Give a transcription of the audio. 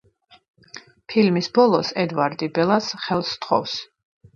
ფილმის ბოლოს ედვარდი ბელას ხელს სთხოვს.